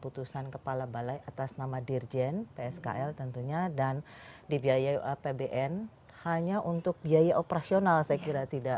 putusan kepala balai atas nama dirjen pskl tentunya dan dibiayai apbn hanya untuk biaya operasional saya kira tidak